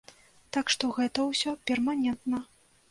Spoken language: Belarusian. Так што гэта ўсё перманентна.